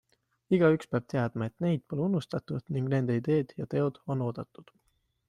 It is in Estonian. Igaüks peab teadma, et neid pole unustatud ning nende ideed ja teod on oodatud.